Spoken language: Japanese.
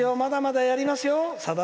まだまだやりますよ。